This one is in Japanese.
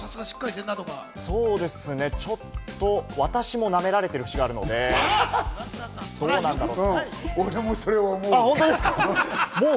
そうですね、ちょっと私もナメられているフシがあるので、俺もそれは思う。